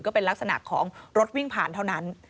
ก็เป็นลักษณะของรถวิ่งผ่านเท่านั้น